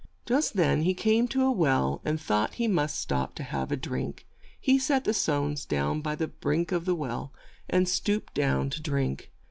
Just then he came to a well, and thought he must stop to have a drink. He set the stones down by the brink of the well, and stooped down to drink.